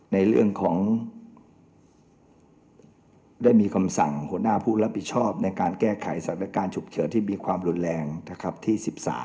ในเรื่องของได้มีคำสั่งหัวหน้าผู้รับผิดชอบในการแก้ไขสถานการณ์ฉุกเฉินที่มีความรุนแรงนะครับที่๑๓